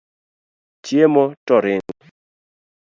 Chiemo to ringo.